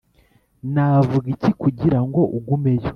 navuga iki kugirango ugumeyo